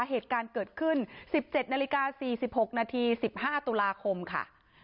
เหตุการณ์เกิดขึ้น๑๗นาฬิกา๔๖นาที๑๕ตุลาคมค่ะ